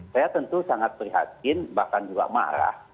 saya tentu sangat prihatin bahkan juga marah